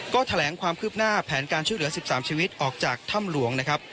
ก็แถลงความคืบหน้าแผนการช่วยเหลือ๑๓ชีวิตออกจากถ้ำหลวงนะครับ